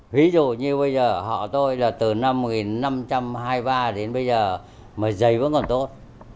ví dụ như bây giờ họ tôi là từ năm một nghìn năm trăm hai mươi ba đến bây giờ mà giày vẫn còn tốt